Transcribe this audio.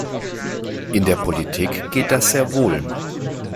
In der Politik geht das sehr wohl.